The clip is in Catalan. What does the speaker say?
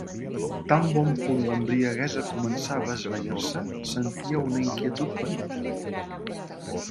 Tan bon punt l'embriaguesa començava a esvair-se, sentia una inquietud penosa.